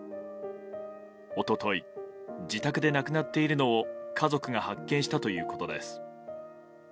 一昨日自宅で亡くなっているのを家族が発見したということです。